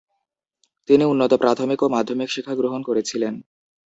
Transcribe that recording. তিনি উন্নত প্রাথমিক ও মাধ্যমিক শিক্ষা গ্রহণ করেছিলেন।